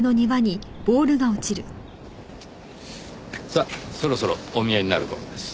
さあそろそろお見えになる頃です。